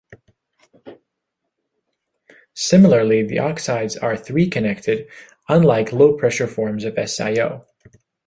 Similarly, the oxides are three-connected, unlike low-pressure forms of SiO.